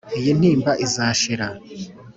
iyi ntimba izashira